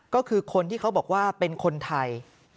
ก็คือคนที่เขาบอกว่าเป็นคนไทย